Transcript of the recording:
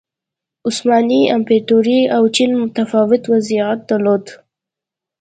عثماني امپراتورۍ او چین متفاوت وضعیت درلود.